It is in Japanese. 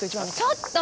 ちょっと！